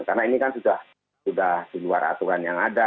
karena ini kan sudah di luar aturan yang ada